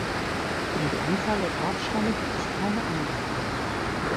Über die Anzahl der Grabsteine gibt es keine Angaben.